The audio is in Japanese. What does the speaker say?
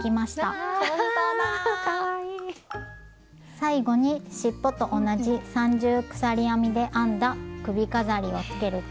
最後にしっぽと同じ三重鎖編みで編んだ首飾りをつけると。